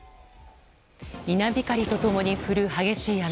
稲光と共に降る激しい雨。